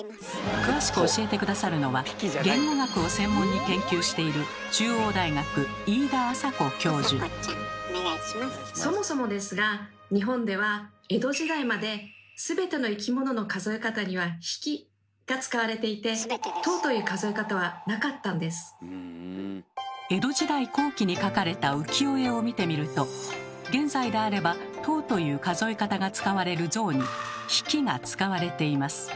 詳しく教えて下さるのは言語学を専門に研究しているそもそもですが日本では江戸時代まで全ての生き物の数え方には「匹」が使われていて江戸時代後期に描かれた浮世絵を見てみると現在であれば「頭」という数え方が使われる象に「匹」が使われています。